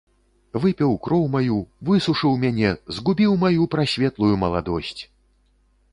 Выпіў кроў маю, высушыў мяне, згубіў маю прасветлую маладосць!